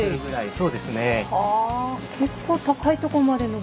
そうですね。